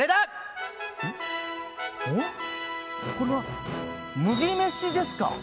これは麦飯ですか？